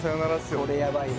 これやばいな。